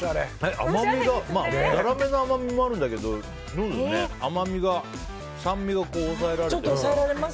ザラメの甘みもあるんだけど酸味が抑えられて。